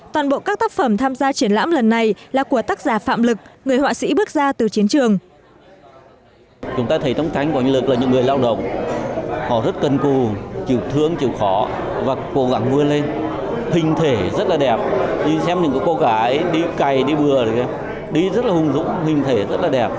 toàn bộ các tác phẩm tham gia triển lãm lần này là của tác giả phạm lực người họa sĩ bước ra từ chiến trường